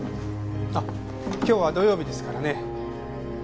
あっ今日は土曜日ですからね。